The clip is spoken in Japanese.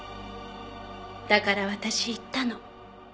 だから私言ったの。